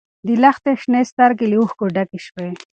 د لښتې شنې سترګې له اوښکو ډکې شوې.